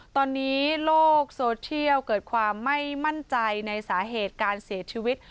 ตอนนี้โลกโซเชียลเกิดความไม่มั่นใจในสาเหตุการเสียชีวิต